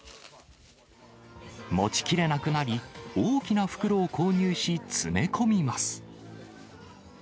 持ちきれなくなり、大きな袋を購入し、詰め込みます。